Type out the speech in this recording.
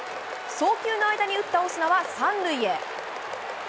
送球の間に打ったオスナは３塁へ。